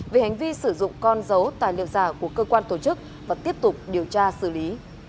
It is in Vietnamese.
về hành vi sử dụng con dấu tài liệu giả của cơ quan tổ chức và tiếp tục điều tra xử lý